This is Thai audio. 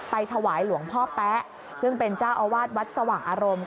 ถวายหลวงพ่อแป๊ะซึ่งเป็นเจ้าอาวาสวัดสว่างอารมณ์